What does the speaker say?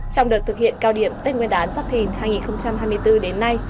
trong đợt thực hiện cao điểm tết nguyên đán giáp thìn hai nghìn hai mươi bốn đến nay